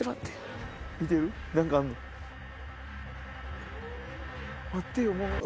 何かあるの？